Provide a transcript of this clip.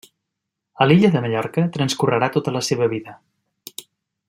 A l'illa de Mallorca transcorrerà tota la seva vida.